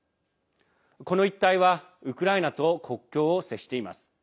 この一帯はウクライナと国境を接しています。